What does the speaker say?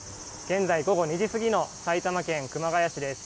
現在午後２時過ぎの埼玉県熊谷市です。